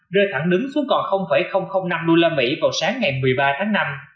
rơi thẳng đứng xuống còn năm usd vào sáng ngày một mươi ba tháng năm